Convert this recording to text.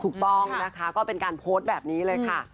ถูกต้องนะคะก็เป็นการโพสต์แบบนี้เลยค่ะ